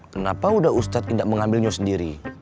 kenapa ustaz sudah tidak mengambilnya sendiri